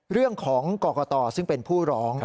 เรื่องของกรกตซึ่งเป็นผู้ร้อง